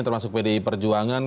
termasuk pdi perjuangan